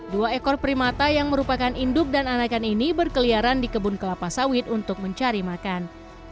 dua ekor primata yang merupakan induk dan anakan ini berkeliaran di kebun kelapa sawit untuk mencari makan